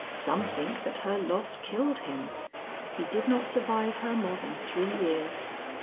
Some think that her loss killed him. He did not survive her more than three years."